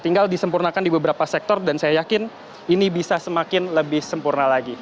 tinggal disempurnakan di beberapa sektor dan saya yakin ini bisa semakin lebih sempurna lagi